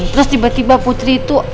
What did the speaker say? terus tiba tiba putri itu